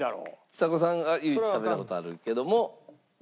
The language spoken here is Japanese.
ちさ子さんが唯一食べた事あるけども。